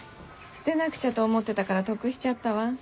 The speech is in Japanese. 捨てなくちゃと思ってたから得しちゃったわ。